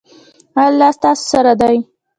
الله ستاسو سره دی